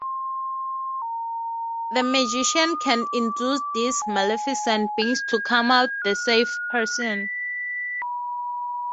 The magician can induce these maleficent beings to come out of the safe person.